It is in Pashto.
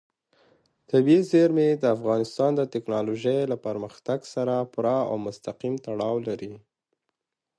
طبیعي زیرمې د افغانستان د تکنالوژۍ له پرمختګ سره پوره او مستقیم تړاو لري.